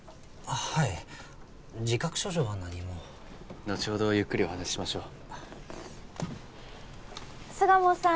はい自覚症状は何も後ほどゆっくりお話ししましょう巣鴨さん